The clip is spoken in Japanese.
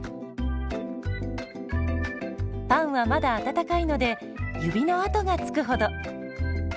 パンはまだ温かいので指の跡がつくほど。